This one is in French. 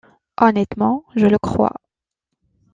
Honnêtement, je le crois.